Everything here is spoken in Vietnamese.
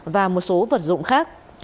và một số vật dụng khác